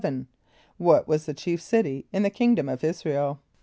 = What was the chief city in the kingdom of [)I][s+]´ra el?